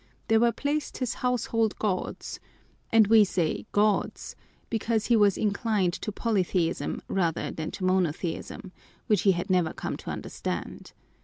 There were placed his household gods and we say "gods" because he was inclined to polytheism rather than to monotheism, which he had never come to understand.